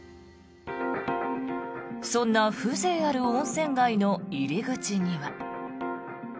そんな風情ある温泉街の入り口には。